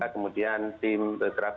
kemudian tim berkata